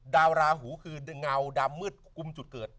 ราหูคือเงาดำมืดกุมจุดเกิด